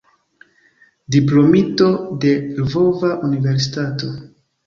Diplomito de Lvova Universitato.